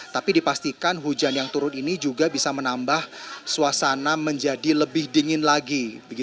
tapi dipastikan hujan yang turun ini juga bisa menambah suasana menjadi lebih dingin lagi